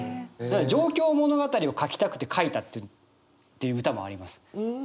だから上京物語を書きたくて書いたっていう歌もあります。